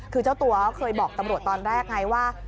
คือเจ้าตัวก็เคยบอกตำรวจตอนแรกไงว่า